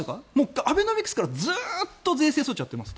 アベノミクスからずっと税制措置をやっていますと。